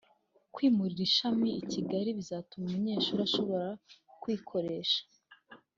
[…] kwimurira ishami i Kigali bizatuma umunyeshuri ashobora kwikoresha